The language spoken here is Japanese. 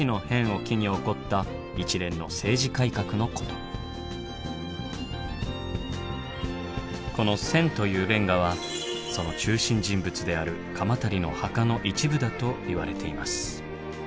だからこのというレンガはその中心人物である鎌足の墓の一部だといわれています。